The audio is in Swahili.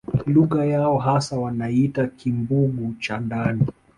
Lugha yao hasa wanaiita Kimbugu cha ndani